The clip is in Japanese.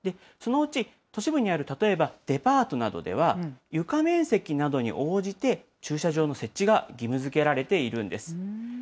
そのうち都市部にある例えばデパートなどでは、床面積などに応じて、駐車場の設置が義務づけられているんです。